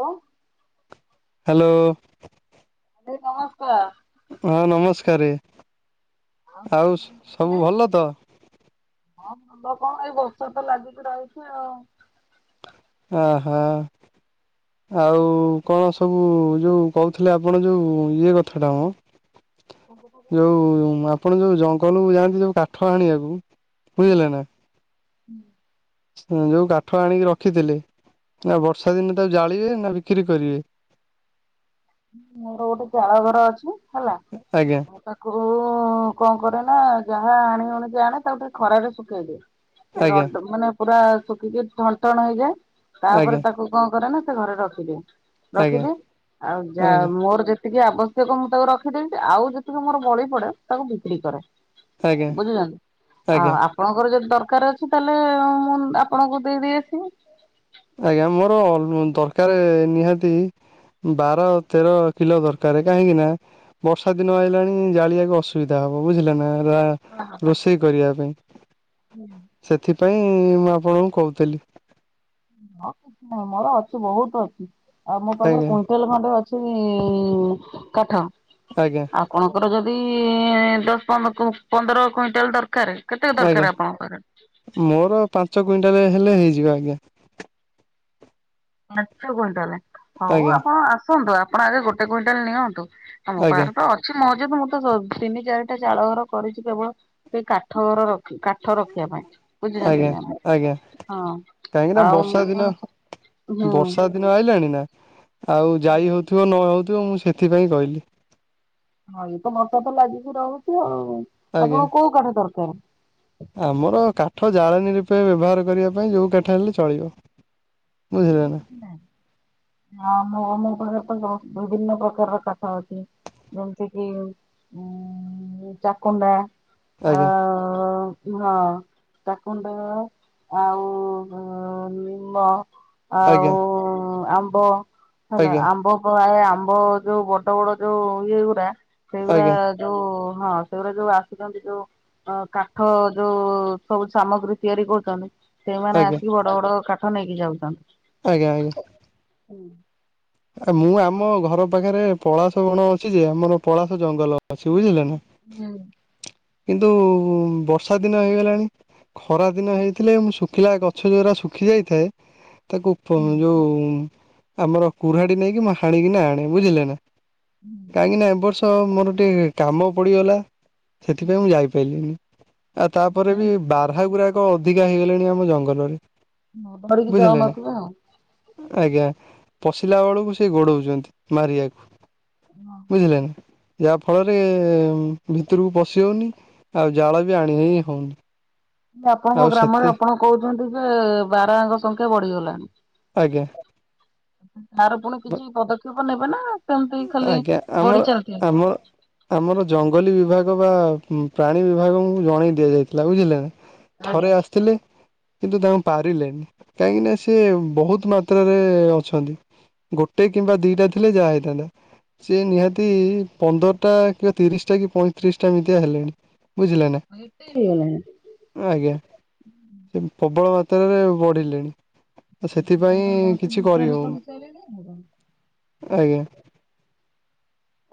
ହଁ। ହ୍ୟାଲୋ। ଆରେ କଣ କୁହ? ଆଉ ନମସ୍କାରେ କଣ ଆଉ କହୁଥିଲେ? ସବୁ ଭଲ ତ? ହଁ ଭଲ କଣ ଏଇ ବର୍ଷା ତ ଲାଗକିି ରହିଚି ଆଉ। ଅ ହୋ। ଆଉ କଣ ସବୁ ଯୋଉ କହୁଥିଲେ ଆପଣ ଯୋଉ ଇଏ କଥା ଟା ମ ଯୋଉ ଆପଣ ଯୋଉ ଜଙ୍ଗଲ ଯାଆନ୍ତି ଯୋଉ କାଠ ଆଣିବାକୁ ବୁଝିଲେ ନା [unintelligible] ଯୋଉ କାଠ ଆଣିକି ରଖିଥିଲେ ଆ ବର୍ଷା ଦିନେ ତାକୁ ଜାଳିବେ ନା ବିକ୍ରି କରିବେ? ମୋର ଗୋଟେ ଚାଳଘର ଅଛି ହେଲା ଆଜ୍ଞା ତା କୁ କଣ କରେ ନା ଯାହା ହାଣି ହୁଣିକି ଆଣେ ତାକୁ ଟିକେ ଖରାରେ ଶୁଖେଇଦିଏ। ସେ ଆଜ୍ଞା ରଡ଼ ମାନେ ପୁରା ଶୁଖିକି ଠଣଠଣ ହେଇଯାଏ ତାପରେ ଆଜ୍ଞା ତାକୁ କଣ କରେ ନା ସେ ଘରେ ରଖିଦିଏ ଆଜ୍ଞା ରଖିଦିଏ ଆଉ ଯା ଆଜ୍ଞା ମୋର ଯେ ତିକି ଆବଶ୍ୟକ ମୁଁ ତାକୁ ରଖିଦେଇଛି ଆଉ ଯେତିକି ମୋର ବଳି ପଡେ ତାକୁ ବିକ୍ରି କରେ। ଆଜ୍ଞା ବୁଝିଲେ ନା ଆଜ୍ଞା ଆ ଆପଣଙ୍କର ଯଦି ଦରକାର ଅଛି ତାହେଲେ ମୁଁ ଆପଣଙ୍କୁ ଦେଇଦେଇ ଆସିବି। ଆଜ୍ଞା ମୋର ଦରକାର ନିହାତି ବାର ତେର କିଲୋ ଦରକାର କାହିଁକି ନା ବର୍ଷା ଦିନ ଆଇଲାଣି ଜାଳିବାକୁ ଅସୁବିଧା ହବ ବୁଝିଲେନା ରା ରୋଷେଇ କରିବା ପାଇଁ ସେଥିପାଇଁ ମୁଁ ଆପଣଙ୍କୁ କହୁଥିଲି। ହଁଁ ମୋର ଅଛି ବହୁତ ଅଛି ଆଉ ମୋ ପାଖରେ ଆଜ୍ଞା କୁଇଣ୍ଟାଲ ଖଣ୍ଡେ ଅ ସେ ଇଁ କାଠ ଆଜ୍ଞା। ଆପଣଙ୍କର ଯଦି ଦଶ ପନ୍ଦ ପନ୍ଦର କୁଇଣ୍ଟାଲ ଦରକାର କେତେକ ଆଜ୍ଞା ଦରକାର ଆପଣଙ୍କର ମୋର ପାଞ୍ଚ କୁଇଣ୍ଟାଲ ହେଲେ ହେଇଯିବ ଆଜ୍ଞା। ପାଞ୍ଚ କୁଇଣ୍ଟାଲ ହଉ ଆଜ୍ଞା ଆପଣ ଆସନ୍ତୁ ଆପଣ ଆଗେ ଗୋଟେ କୁଇଣ୍ଟାଲ ନିଅନ୍ତୁ। ଆମ ଆଜ୍ଞା ପାଖରେତ ଅ ଛି ମହଜଦ ମୁଁ ତ ତିନି ଚାରିଟା ଚାଳ ଘର କରିଛି କେବଳ ସେଇ କାଠ ଘର ର। କାଠ ରଖିବା ପାଇଁ ଆଜ୍ଞା ବୁଝୁଛନ୍ତି ନା ଆଜ୍ଞା ଆ ହଁ କାହିଁକି ନା ଆଉ ବର୍ଷା ଦିନ ମୁଁ ହୁଁ ବର୍ଷା ଦିନ ଆଇଲାଣି ନା ଆଉ ଯାଇ ହଉଥିବ ନ ହଉଥିବ ମୁଁ ସେଥିପାଇଁ କହିଲି। ହଁ ଇଏତ ବର୍ଷା ତ ଲାଗିକି ରହୁଛି। ଆଉ ଆଜ୍ଞା ଆପଣଙ୍କୁ କୋଉ କାଠ ଦରକାର। ଆମର କାଠ ଜାଳଣୀ ରୂପେ ବ୍ୟବହାର କରିବା ପାଇଁ ଯଉ କାଠହେଲେ ଚଳିବ। ବୁଝିଲେ ନା। ହଁ ମୋ ମୋ ପାଖରେ ତ ବିଭିନ୍ନ ପ୍ରକାରର କାଠ ଅଛି। ଯେମିତି କିି ଉ ଚାକୁଣ୍ଡା ଆ। ଆଜ୍ଞା ହଁ ଚାକୁଣ୍ଡା ଆଉ ନିମ୍ବ। ଆଉ ଆଜ୍ଞା ଆମ୍ବ ହେଲା ଆଜ୍ଞା ଆମ୍ବ। ଆ ଆମ୍ବ ଯୋଉ ବଡ ବଡ ଯୋଉ ଇଏ ଗୁଡା ସେଇଗୁଡା ଆଜ୍ଞା ଯୋଉ ହଁ ସେଗୁଡା ଯୋଉ ଆସୁଛନ୍ତି। ଯୋଉ ହଁ କାଠ ଯୋଉ ସବୁ ସାମଗ୍ରୀ ତିଆରି କରୁଛନ୍ତି। ସେଇମାନେ ଆଜ୍ଞା ଆସିକି ବଡ ବଡ କାଠ ନେଇକି ଯାଉଛନ୍ତି। ଆଜ୍ଞା। ଆଜ୍ଞା। ହୁଁ। ମୁଁ ଆମ ଘର ପାଖରେ ପଳାଶ ବଣ ଅଛି ଯେ ଆମର ପଳାଶ ଜଙ୍ଗଲ ଅଛି ବୁଝିଲେନା ହୁଁ। କିନ୍ତୁ ବର୍ଷା ଦିନ ହେଇଗଲାଣି। ଖରା ଦିନ ହେଇଥିଲେ ମୁ ଶୁଖିଲା ଗଛ ଯୋଉ ଗୁରା ଶୁଖି ଯାଇଥାଏ ତାକୁ ପ଼ ଯୋଉ ଆମର କୁୁରାଡି ନେଇକି ହାଣିକିନା ଆଣେ ବୁଝିଲେ ନା। କାହିଁକି ନା ଏ ବର୍ଷ ମୋର ଟିକେ କାମ ପଡିଗଲା। ସେଥିପାଇଁ ମୁଁ ଯାଇପାରିଲିନି ଆଉ ତାପରେ ବି ବାରହା ଗୁରାକ ଅ ଅଧିକା ହେଇଗଲେଣି ଆମ ଜଙ୍ଗଲରେ। ହଁ ଡରିକି ବୁଝିଲେ ନା ଯାଉନଥିବ ଆଉ। ଆଜ୍ଞା। ପଶିଲା ବେଳକୁ ସେ ଗୋଡଉଛନ୍ତି ମାରିବାକୁ ବୁଝିଲେନା। ଯାହାଫଳରେ ଭିତରକୁ ପଶି ହେଉନି ଆଉ ଜାଳ ବି ଆଣିି ହେଉନି। ଆପଣଙ୍କ ଗ୍ରାମରେ ଆପଣ କହୁଛନ୍ତି ଯେ ବାରା ଙ୍କ ସଂଖ୍ୟା ବଢିଗଲାଣି। ଆଜ୍ଞା। ଆର ପୁଣି କିଛି ପଦକ୍ଷେପ ନେବେ ନା ସେମତି ଖାଲି ଆଜ୍ଞା ଆମର ବଢି ଚାଲିଥିବେ। ଆମର ଆମର ଜଙ୍ଗଲୀ ବିଭାଗ ବା ପ୍ରାଣୀ ବିଭାଗଙ୍କୁ ଜଣେଇ ଦିଆଯାଇଥିଲା ବୁଝିଲେ ନା ଥରେ ଆସିଥିଲେ। କିନ୍ତୁ ତାଙ୍କୁ ପାରିଲେନି କାହିଁକି ନା ସେ ବହୁତ ମାତ୍ରାରେ ଅଛନ୍ତି। ଗୋଟେ କିମ୍ବା ଦିଟା ଥିଲେ ଯାହା ହେଇଥାନ୍ତା। ସେି ନିହାତି ପନ୍ଦରଟା କିବା ତିରିଶ ଟା କି ପଇଁତିରିଶ ଟା ଏମିତିଆ ହେଲେଣି। ବୁଝିଲେ ନା। ଏତେ ହେଇଗଲା ନା। ଆଜ୍ଞା। ପ୍ରବଳ ମାତ୍ରାରେ ବଢ଼ିଲେଣି। ସେଥିପାଇଁ କିଛି କରିହଉନି ଆଜ୍ଞା।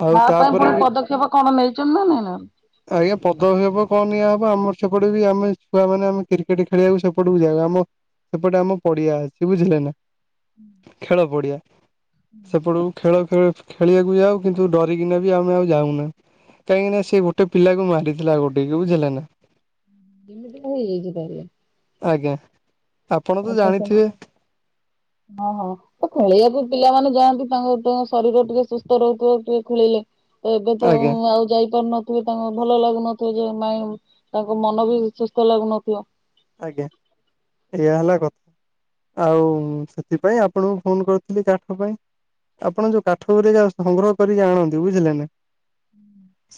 ଆଉ ତା ପାଇଁ ତାପରେ ପୁଣି ପଦକ୍ଷେପ କଣ ନେଇଛନ୍ତି ନା ନାଇଁ ନା? ଆଜ୍ଞା ପଦକ୍ଷ୍ୟପ କ ନିଆଁ ଅବ ଆମର ସେପଟେ ବି ଆମେ ଛୁଆମାନେ ଆମେ କ୍ରିକେଟ୍ ଖେଳିୟାକୁ ସେପଟକୁ ଯାଉ। ଆମ ସେପଟେ ଆମ ପଡ଼ିଆ ଅଛି ବୁଝିଲେ ନା। ଖେଳ ପଡ଼ିଆ ସେପଟୁକୁ ଖେଳ ହଁ ଖେଳିବାକୁ ଯାଉ କିନ୍ତୁ ଡରିଗିନା ବି ଆମେ ଆଉ ଯାଉଁନା। କାଇଁକି ନା ସେ ଗୋଟେ ପିଲାକୁ ମାରିଥିଲା ଗୋଡେଇକି ବୁଝିଲେନା। ଇମିତି ସବୁହେଇଯାଇଛି ତା ହେଲେ। ଆଜ୍ଞା। ଆପଣ ତ ଏଲ୍ପସନ୍ ଜାଣିଥିବେ ହଁ ହଁ। ଏ ଖୋଳେଇୟାକୁ ପିଲାମାନେ ଯାଆନ୍ତି ତାଙ୍କ ଦେଅଁ ଶରୀର ଟିକେ ସୁସ୍ଥ ରହୁଥିବ ଟିକେ ଖୁଳେଇଲେ। ଏବେ ତ ଆଜ୍ଞା ଉଁ ଆଉ ଯାଇପାରୁନ। ଥିବେ ତାଙ୍କ ଭଲ ଲାଗୁନଥିବ ଯେ ମାଇଁମ୍ ତାଙ୍କ ମନ ବି ସୁସ୍ଥ ଲାଗୁନଥିବ। ଆଜ୍ଞା ଏହିଆ ହେଲା ଗଥ୍। ଆଉମ୍ ସେଥିପାଇଁ ଆପଣଙ୍କୁ ଫୋନ୍ କରିଥିଲି କାଠ ପାଇଁ। ଆପଣ ଯୋଉ କାଠ ଗୁରିକା ସଂଗ୍ରହ କରିକି ଆଣନ୍ତି ବୁଝିଲେ ନା।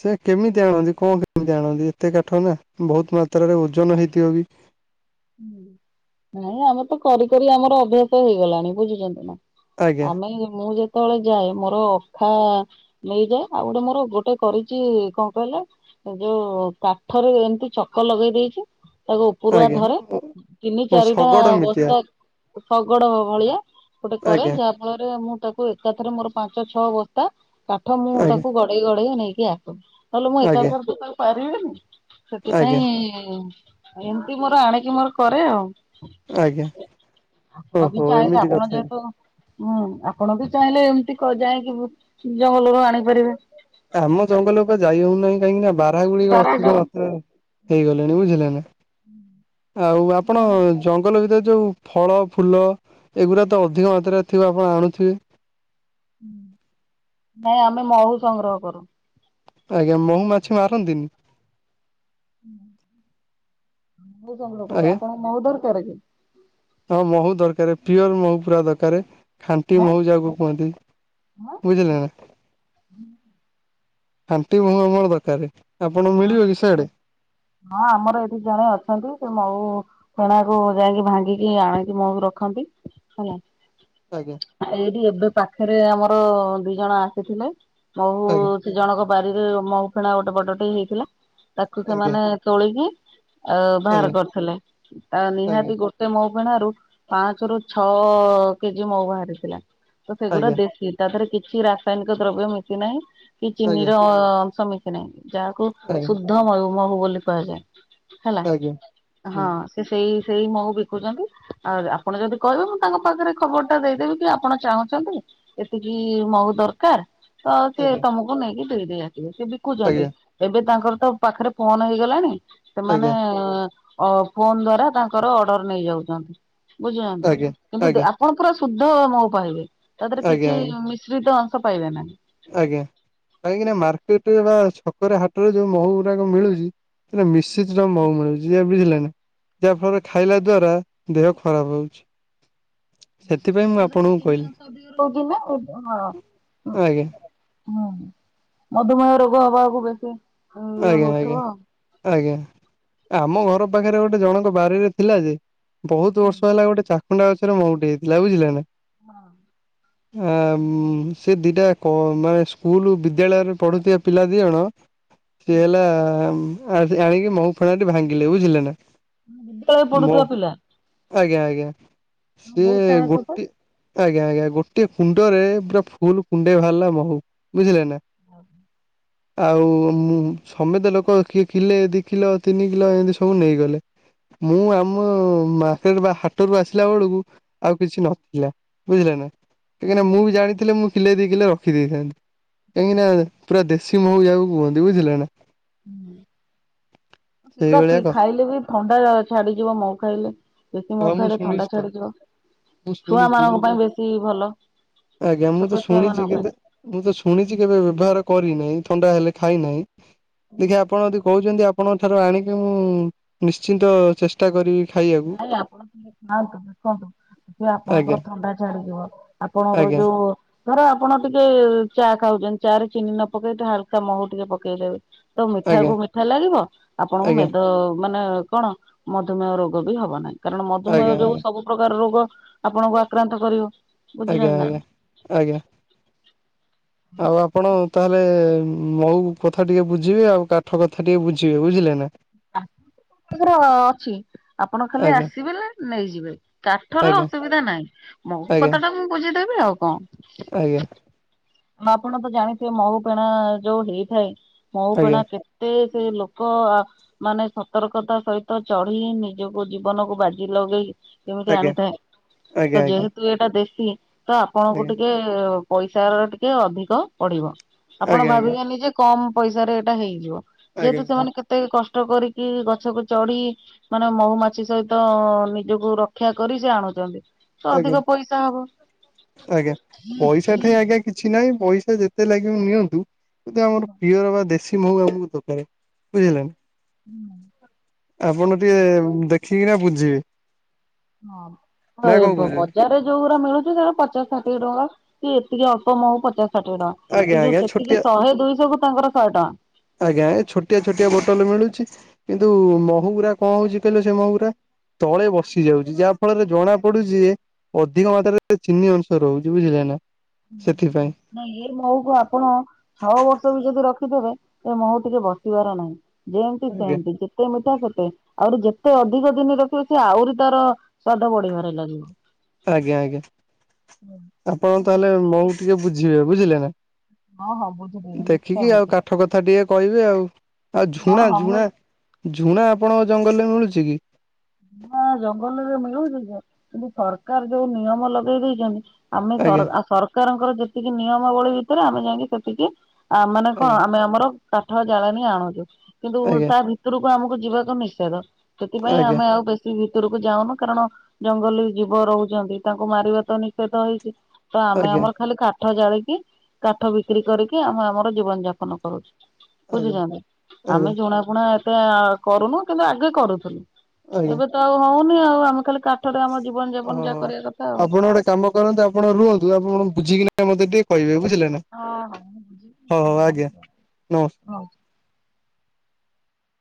ସେ କେମିତି ଆଣନ୍ତି କଣ କେମିତି ଆଣନ୍ତି ଏତେ କାଠ ନା ବହୁତ୍ ମାତ୍ରାରେ ଓଜନ ହେଇଥିବ ବି। ହୁଁ। ନାଇଁ ଆମର୍ ତ କରି କରି ଆମର ଅଭ୍ୟାସ ହେଇଗଲାଣି ବୁଝୁଚନ୍ତି ନା। ଆଜ୍ଞା ଆମେ ମୁଁ ଯେ ତଳେ ଯାଏ ମୋର ଅଖା ନେଇଯାଏ ଆଉ ଗୋଟେ ମୋର ଗୋଟେ କରିଚି କଣ କହିଲ? ଯୋଉ କାଠରେ ଏମ୍ତି ଚକ ଲଗେଇ ଦେଇଚି। ତାକୁ ଓପୁରୁଆ ଆଜ୍ଞା ଧରେ ଓ ଚିନି [unintelligible] ଟା ଶଗଡ଼ ମିତିଆ ବସ୍ତା ଶଗଡ଼ ଭଳିଆ ଗୋଟେ କର ଆଜ୍ଞା ଯାହା ମଳରେ ମୁଁ ତାକୁ ଏକାଥରେ ମୋର ପାଞ୍ଚ ଛଅ ବସ୍ତା କାଠ ମୁଁ ଆଜ୍ଞା ତାକୁ ଗର୍- - ଟଇ ଗଢେଇଆ ନେଇକି ଆ ତୁମ୍ ତାହେଲେ ମୁଁ ଏକା ତ ଆଜ୍ଞା [unintelligible] ଏକାଥରକେ ତାକୁ ପାରିବିନି। ସେଟି ଆଜ୍ଞା ପାଇଁ ଏମିତି ମୋର ଆଣିକି ମୋର କରେ ଆଉ। ଆଜ୍ଞା [inaudible] ହା ହ ଓହୋ ହଗିକି ଆଇଲ ଏମିତି ଆପଣ କଥା କି। ଯେହେତୁ ମୁଁ ଆପଣ ବି ଚାହିଁଲେ ଏମ୍ତି କ ଯାଇଁକି ବୁ [unintelligible] ଆଣିପାରିବେ। ତାହା ଆମେ ଜଙ୍ଗଲକୁ ଯାଇ ହଉନାହିଁ କାହିଁକି ନା ବା ଭାଇ ଗୁଳିକ ଅତିକ ଧରାଯାଉ ମାତ୍ରରେ ହେଇଗଲେଣି ବୁଝିଲେ ନା ଆଉ ଆପଣ? ଜଙ୍ଗଲ ଭିତରେ ଯୋଉ ଫଳ ଫୁଲ ଏଗୁରା ତ ଅଧିକ ମାତ୍ରାରେ ଥିବ ଆପଣ ଆଣୁଥିବେ। ହୁଁ ନାଇଁ ଆମେ ମହୁ ସଂଗ୍ରହ କରୁ। ଆଜ୍ଞା ମହୁ ମାଛି ମାରନ୍ତିନି? [inaudible] ବୁ ସଂଗ୍ରହ କରୁ। ଆଜ୍ଞା ଆପଣ ମହୁ ଦରକାର କି? ହଁ ମହୁ ଦରକାରେ ପିଓର ମହୁ ପୁରା ଦରକାରେ ଖାଣ୍ଟି ଆଁ ମହୁ ଯାହାକୁ କୁହନ୍ତି। ହଁ ବୁଝିଲେ ନା? ଖାଣ୍ଟି ମହୁ ଆମର ଦରକାରେ। ଆପଣଂ ମିଳିବ କି ସେଆଡେ? ହଁ ଆମର ଏଠି ଜଣେ ଅଛନ୍ତି ସେ ମଉ ଫେଣାକୁ ଯାଇଁକି ଭାଙ୍ଗିକି ଆଣିକି ମହୁ ରଖନ୍ତି ହେଲା। ଆଜ୍ଞା। ହେ ଏଇଡି ଏବେ ପାଖେରେ ଆମର ଦି ଜଣ ଆସିଥିଲେ। ମହୁ ଆଜ୍ଞା ସେ ଜଣକ ବାରିରେ ମହୁ ଫେଣା ଗୋଟେ ବଡଟେଇ ହେଇଥିଲା। ତାକୁ ଆଜ୍ଞା ସେମାନେ ତୋଳିକି ଆଅ ବାହାର କରିଥିଲେ ଆ ଆଜ୍ଞା ନିହାତି ଗୋ ତେ ମହୁ ଫେଣାରୁ ପାଞ୍ଚରୁୁ ଛଅ କେଜି ମହୁ ବାହାରିଥିଲା। ତ ସେଗୁରା ଆଜ୍ଞା ଦେଶି। ତା ଥରେ କିଛି ରାସାଇନିକ ଦ୍ରବ୍ୟ ମିଶି ନାହିଁ। କି ଆଜ୍ଞା ଆଜ୍ଞା ଚିନିର ଅଁ ଅଂଶ ମିଶି ହେ ନାହିଁ ଯାହାକୁ ଆଜ୍ଞା ଶୁଦ୍ଧ ମଳୁ ମହୁ ବୋଲି କୁହାଯାଏ। ହେଲା ଆଜ୍ଞା ହୁଁ ହଁ। ଏ ସେଇ ସେଇ ମହୁ ବିକୁଚନ୍ତି। ଆଉ ଯେ ଆପଣ ଯଦି କହିବେ ମୁଁ ତାଙ୍କ ପାଖେରେ ଖବର ଟା ଦେଇଦେବି କି ଆପଣ ଚାହୁଁଚନ୍ତି ଏତିକି ମୋର ଦରକାର ତ ସିଏ ଆଜ୍ଞା ତମୁକୁ ନେଇକି ଦେଇଦେଇ ଆସିବେ, ସିଏ ବିକୁଚନ୍ତି। ଆଜ୍ଞା ଏବେ ତାଙ୍କର ତ ପାଖରେ ଫୋନ ହେଇଗଲାଣି ସେମାନେ ଆଜ୍ଞା ଅ ଫୋନ୍ ଦ୍ଵାରା ତାଙ୍କର ଅର୍ଡର ନେଇଯାଉଚନ୍ତି, ବୁଝୁଛନ୍ତି କିନ୍ତୁ ଆଜ୍ଞା ଦେ-ଆ ଆପଣ ପୁରା ଶୁଦ୍ଧ ମହୁ ପାଇବେ, ତା ଦେହରେ ଆଜ୍ଞା ଆଜ୍ଞା କିଛି ଆଜ୍ଞା ମିଶ୍ରିତ ଅଂଶ ପାଇବେ ନାହିଁ। ଆଜ୍ଞା, କାହିଁକି ନା ମାର୍କେଟରେ ବା ଛକରେ ହାଟେରେ ଯୋଉ ମହୁ ଗୁଡାକ ମିଳୁଚି ସେଟା ମିଶିତ୍ର ମହୁ ମିଳୁଚି। ଯେ ବୁଝିଲେ ନା, ଯାହା ଫଳରେ ଖାଇଲା ଦ୍ଵାରା ଦେହ ଖରାପ ହଉଚି। ତା ଦେହେରେ ଚିନି କହିଲି ଅଂଶ ବି ରହୁଚି ନା ହଁ [unintelligible] ଆଜ୍ଞା ହଁ ହଁ ମଧୁମେହ ରୋଗ ହବାକୁ ବେଶୀ ଇଏ ଆଜ୍ଞା ଆଜ୍ଞା ହଉଥିବ ଆଉ ଆଜ୍ଞା, ଏ ଆମ ଘର ପାଖେରେ ଗୋଟେ ଜଣଙ୍କ ବାରିରେ ଥିଲା ଯେ ବହୁତୁ ବର୍ଷ ହେଲା ଗୋଟେ ଚାକୁଣ୍ଡା ଗଛରେ ମହୁଟେ ହେଇଥିଲା, ବୁଝିଲେ ନା। ହଁ। ହ [inaudible] ଆମ୍ ସେ ଦିଟା ଯାକ ମାନେ ସ୍କୁଲ ବିଦ୍ୟାଳୟରେ ପଢୁଥିବା ପିଲା ଦି ଜଣ ସିଏ ହେଲା ଆମ୍ ଆଜ୍-ଆଣିକି ମହୁ ଫେଣାଟି ଭାଙ୍ଗିଲେ ବୁଝିଲେ ନା। ଉଁ ବିଦ୍ୟାଳୟରେ ମହୁ ପଢୁଥିବାପିଲା ଆଜ୍ଞା ଆଜ୍ଞା, ବହୁତ ସିଏ ସାହସ ତ ଗୋଟି ଆଜ୍ଞା ଆଜ୍ଞା ଗୋଟେ କୁଣ୍ଡରେ ପୁରା ଫୁଲ୍ କୁଣ୍ଡେ ବାହାରିଲା ମହୁ ବୁଝିଲେ ନା। [inaudible] ଆଉ ମୁଁ ସମେତେ ଲୋକ କିଏ କିଲେ ଦି କିଲ ତିନି କିଲ ଏମିତି ସବୁ ନେଇଗଲେ। ମୁଁ ଆମ ମାର୍କେଟ୍ ବା ହା ଟରୁ ଆସିଲା ବେଳୁକୁ ଆଉ କିଛି ନଥିଲା ବୁଝିଲ ନା। କାହିଁକିନା ମୁଁ ବି ଜାଣିି ମୁଁ କିଲେ ଦି କିଲେ ରଖିଦେଇଥାନ୍ତି। କାହିଁକିନା ପୁରା ଦେଶୀ ମହୁ ଯାହାକୁ କୁହନ୍ତି ବୁଝିଲେ ନା। ହୁଁ ସେଇଭଳିଆ [inaudible] କଥା ଖାଇଲେ ବି ଥଣ୍ଡା ଛାଡିଯିବ ମହୁ ଖାଇଲେ। ଦେଶିମହୁ ହଁ ମୁଁ ଖାଇଲେ ଶୁଣିଛି ଥଣ୍ଡା ତ ଛାଡିଯିବ। ମୁଁ ଛୁଆ ଶୁଣିଛି ମାନଙ୍କ ମୁଁ ତ ପାଇଁ ବେଶୀ ଭଲ ଆଜ୍ଞା ମୁଁ ତ ଛୋଟ ଛୁଆ ଶୁଣିଛି ମାନଙ୍କ ପାଇଁ। କିନ୍ତୁ ମୁଁ ତ ଶୁଣିଚି କେବେ ବ୍ୟବହାର କରିନାଇଁ ଥଣ୍ଡା ହେଲେ ଖାଇନାହିଁ ଦେଖିଆ ଆପଣ ଯଦି କହୁଚନ୍ତି ଆପ୍ ଆପଣଙ୍କ ଠାରୁ ଆଣିକି ମୁଁ ନିଶ୍ଚିନ୍ତ ଚେଷ୍ଟ ଷ୍ଟା କରିବି ଖାଇଆ ନାଇଁ ଆପଣ ଖାଆନ୍ତୁ ଦେଖନ୍ତୁ ଦେଖିବେ ଆଜ୍ଞା ଆପଣଙ୍କର ଥଣ୍ଡା ଛାଡିଯିବ। ଆପଣଙ୍କର ଆଜ୍ଞା ଯୋଉ ଧର ଆପଣ ଟିକେ ଚା ଖାଉଚନ୍ତି ଚା ରେ ଚିନି ନ ପକେଇ ଟିକେ ହାଲକା ମହୁ ଟିକେ ପକେଇ ଦେବେ। ତ ମିଠା ଆଜ୍ଞା କୁ ମିଠା ଲାଗିବ ଆପଣଙ୍କୁ ଆଜ୍ଞା ମେଦ ମାନେ କଣ ମଧୁମେହ ରୋଗ୍ ଗ ବି ହବ ନାହିଁ କାରଣ ମଧୁମେହ ଆଜ୍ଞା ଆଜ୍ଞା ଯୋଗୁଁ ଆଜ୍ଞା ସବୁ ପ୍ରକାର ରୋଗ ଆପଣଙ୍କୁ ଆକ୍ରାନ୍ତ କରିବ ବୁଝୁଚନ୍ତି ନାଁ ଆଜ୍ଞା ନାଇଁ। ଆଜ୍ଞା ଆଜ୍ଞା। ଆଉ ଆପଣ ତାହେଲ୍ ଲେ ମହୁ କଥା ଟିକେ ବୁଝିବେ ଆଉ କାଠ କଥା ଟିକେ ବୁଝିବେ ବୁଝିଲେ ନା। ଆ [inaudible] ତାଙ୍କର ଅଛି। ଆପଣ ଖାଲି ଆଜ୍ଞା ଆସିବେଲେ ନେଇଯିବେ କାଠର ଆଜ୍ଞା ଅସୁବିଧା ନାଇଁ। ମହୁ ଆଜ୍ଞା କଥାଟା ମୁଁ ବୁଝିଦେବି ଆଉ କଣ। ଆଜ୍ଞା। ଆ ଆପଣ ତ ଜାଣିଥିବେ ମହୁ ପେଣା ଯୋଉ ହେଇଥାଏ ମହୁ ଆଜ୍ଞା ପେଣା କେତ୍ କେତେ ସେ ଲୋକ ଆ ମାନେ ସତର୍କତା ସହିତ ଚଢି ନିଜକୁ ଜୀବନକୁ ବାଜି ଲଗେଇ କେମିତି ଆଜ୍ଞା ଆଣିଥାଏ ଆଜ୍ଞା ଆଜ୍ଞା ତ ଯେହେ ତୁ ଏଇଟା ଦେଶୀ ତ ଆପଣଙ୍କୁ ଆଜ୍ଞା। ଟିକେ ପଇସାର ଟିକେ ଅଧିକ ପଡିବ। ଆପଣ ଆଜ୍ଞା ଭାବିବେନି ଯେ କମ ପଇସାରେ ଏଇଟା ହେଇଯିବ ଯେହେତୁ ଆଜ୍ଞା ଆଜ୍ଞା ସେମାନେ କେ କେତେ କଷ୍ଟ କରିକି ଗଛକୁ ଚଢି ମାନେ ମହୁ ମାଛି ସହିତ ନିଜକୁ ରକ୍ଷା କରି ସେ ଆଣୁଚନ୍ତି। ତ ଆଜ୍ଞା ଅଧିକ ପଇସା ହବ। ଆଜ୍ଞା ପଇସା ଠେଇଁ ଆଜ୍ଞା କିଛି ନାଇଁ ପଇସା ଯେତେ ଲାଗିବ ନିଅନ୍ତୁ କିନ୍ତୁ ଆମର ପିଅର ବା ଦେଶୀ ମହୁ ଆମକୁ ଦକାରେ ବୁଝିଲଣି। ହୁଁ। ଆପଣ ଟିକେ ଦେଖିକିନା ବୁଝିବେ। ହଁ ନା ହଁ କଣ [inaudible] କହୁଛନ୍ତି ବଜାର ରେ ଯୋଉ ଗୁରା ମିଳୁଚି ସେଗୁଡା ପଚଶ ଷାଠିଏ ଟଙ୍କା କି ଏତିକି ଅଳ୍ପ୍ ମହୁ ପଚାଶ ଷାଠିଏ ଟଙ୍କା। ଆଜ୍ଞା ଏ ଯୋଉ ଆଜ୍ଞା ଛୋଟିଆ ସେତିକି ଶହେ ଦୁଇଶହ କୁ ତାଙ୍କର ଶହେ ଟଙ୍କା। ଆଜ୍ଞା ଏ ଛୋଟିଆ ଛୋଟିଆ ବୋଟଲ ମିଳୁଚି କିନ୍ତୁ ମହୁଗୁରା କଣ ହଉଚି କହିଲ ସେ ମହୁ ଗୁରା? ତଳେ ବସିି ଯାଉଚି ଯାହା ଫଳରେ ଜଣା ପଡୁଚି ଏ ଅଧିକ ମାତ୍ରାରେ ଚିନି ଅଂଶ ରହୁଚି ବୁଝିଲେ ନା ସେଥିପାଇଁ ନାଇଁ ଏ ମହୁକୁ ଆପଣ ଛଅ ବର୍ଷ ବି ଯଦି ରଖିଥେବେ ଏ ମହୁ ଟିକେ ବସିବାର ନାହିଁ। ଯେମତି ଆଜ୍ଞା ସେମତି ଯେତେ ମିଠା ସେତେ ଆହୁରି ଯେତେ ଅଧିକ ଦିନ ରଖିବେ ସେ ଆହୁରି ତାର ସ୍ଵାଦ ବଢିବାରେ ଲାଗେ। ଆଜ୍ଞା ଆଜ୍ଞା ଆପଣ ତାହେଲେ ମହୁ ଟିକେ ବୁଝିବେ ବୁଝିଲେ ନା? ହଁ ହଁ ବୁଝିଦେବି ନିଶ୍ଚୟ ଦେଖିକି ଆଉ ବୁଝିବି। କାଠ କଥା ଟିକେ କହିବେ ଆଉ ଆଉ ହଁ ଝୁଣା ହଁ ମୁଁ ଝୁଣା ଝୁଣା ଆପଣଙ୍କ ଜଙ୍ଗଲରେ ମିଳୁଛି କି? ଝୁଣା ଜଙ୍ଗଲରେ ମିଳୁଚି ଯେ କିନ୍ତୁ ସରକାର ଯୋଉ ନିୟମ ଲଗେଇ ଦେଇଚନ୍ତି। ଆମେ ସର୍ ଆଜ୍ଞା ସରକାରଙ୍କର ଯେତିକି ନିୟମାବଳୀ ଭିତରେ ଆମେ ଯାଇକି ସେତିକି ଆ ମାନେ କଣ ଆଜ୍ଞା ଆମେ ଆମର କାଠ ଜାଳେଣି ଆଣୁଚୁ କିନ୍ତୁ ଆଜ୍ଞା ତା ଭିତ ଭିତରକୁ ଆମକୁ ଯିବାକୁ ନିଷେଦ ସେଥିପାଇଁ ଆଜ୍ଞା ଆମେ ଆଉ ବେଶୀ ଭିତରକୁ ଯାଉନୁ କାରଣ ଜଙ୍ଗଲୀ ଜୀବ ରହୁଚନ୍ତି ତାଙ୍କୁ ମାରିବା ତ ନିଷେଧ ହେଇଚି ତ ଆମେ ଆଜ୍ଞା ଆମର ଖାଲି କା କାଠ ଜାଳିକି କାଠ ବିକ୍ରି କରିକି ଆମେ ଆମର ଜୀବନ ଯାପନ କରୁଚୁ। ଆଜ୍ଞା ବୁଝୁଛନ୍ତି ଆଜ୍ଞା ଆମେ ଜୁଣା ଫୁଣା ଏତେ ଆ କରୁନୁ କିନ୍ତୁ ଆଗେ କରୁଥିଲୁ। ଆଜ୍ଞା ଏବେ ତ ଆଉ ହଉନି ଆଉ ଆମେ ଖାଲି କାଠରେ ଆମ ଜୀବନ ଯାପନ ଯାହା ଓହୋ କରିବା କଥା ଆଉ। ଆପଣ ଗୋଟେ କାମ କରନ୍ତୁ ଆପଣ ରୁହନ୍ତୁ, ଆପଣ ବୁଝିକିନା ମତେ ଟିକେ କହିବେ ବୁଝିଲେ ନା। ହଁ ହଁ ମୁଁ ବୁଝିକି ହଉ ମୁଁ ହଉ ଆଜ୍ଞା ଆପଣଙ୍କୁ ନମସ୍କାର। କହିବି ହଁ।